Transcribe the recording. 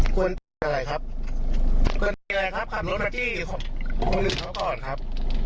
กวนํ้ํ้อะไรครับอะไรครับขับลดมาจี้คนื่นเขาก่อนครับ